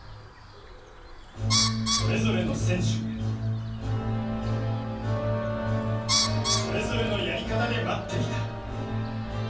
それぞれの選手がそれぞれのやり方で待っていた。